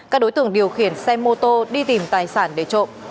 các đối tượng điều khiển xe mô tô đi tìm tài sản để trộm